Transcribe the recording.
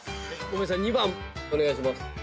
ごめんなさい２番お願いします。